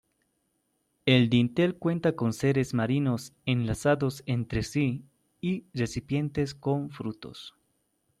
El dintel cuenta con seres marinos enlazados entre sí y recipientes con frutos.